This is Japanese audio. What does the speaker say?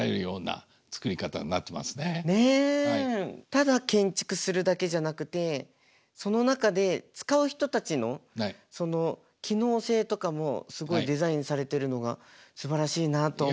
ただ建築するだけじゃなくてその中で使う人たちのその機能性とかもすごいデザインされてるのがすばらしいなと思いました。